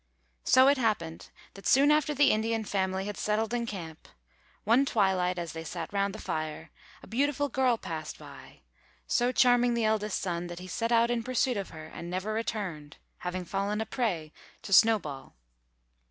So it happened that soon after the Indian family had settled in camp, one twilight, as they sat round the fire, a beautiful girl passed by, so charming the eldest son, that he set out in pursuit of her and never returned, having fallen a prey to Snowball.